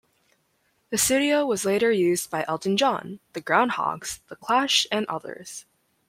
The studio was later used by Elton John, The Groundhogs, The Clash and others.